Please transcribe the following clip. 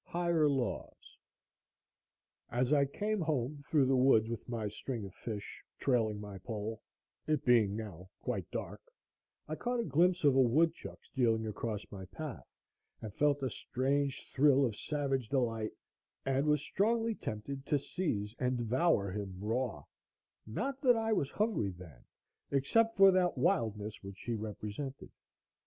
Higher Laws As I came home through the woods with my string of fish, trailing my pole, it being now quite dark, I caught a glimpse of a woodchuck stealing across my path, and felt a strange thrill of savage delight, and was strongly tempted to seize and devour him raw; not that I was hungry then, except for that wildness which he represented.